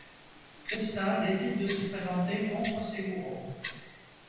Costa décide de s'y présenter contre Seguro.